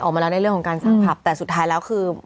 ออกมาแล้วในเรื่องของการสั่งผับแต่สุดท้ายแล้วคือ